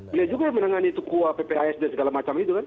beliau juga menangani kuappis dan segala macam itu kan